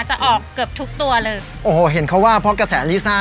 จะออกเกือบทุกตัวเลยโอ้โหเห็นเขาว่าเพราะกระแสลิซ่า